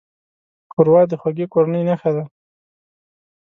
ښوروا د خوږې کورنۍ نښه ده.